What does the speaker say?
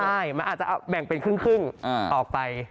ใช่มันอาจจะแบ่งเป็นครึ่งออกไป